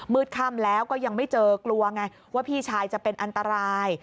ค่ำแล้วก็ยังไม่เจอกลัวไงว่าพี่ชายจะเป็นอันตราย